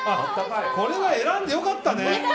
これは選んでよかったね。